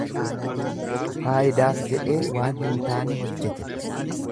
Faayidaaf jedhee waan hin taane hojjete.